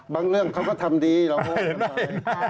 บางอย่างเขาก็ทำดีหรอก